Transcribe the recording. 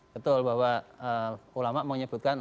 betul bahwa ulama menyebutkan